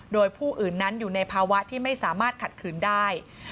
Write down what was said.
โดยผู้อื่นนั้นอยู่ในภาวะที่ไม่สามารถขัดขืนได้